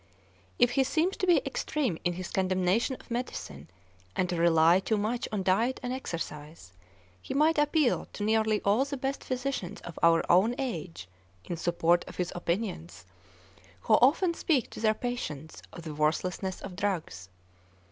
If he seems to be extreme in his condemnation of medicine and to rely too much on diet and exercise, he might appeal to nearly all the best physicians of our own age in support of his opinions, who often speak to their patients of the worthlessness of drugs.